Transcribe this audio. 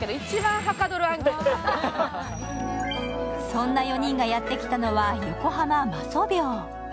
そんな４人がやってきたのは横浜媽祖廟。